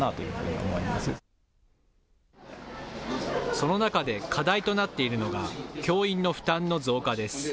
その中で、課題となっているのが教員の負担の増加です。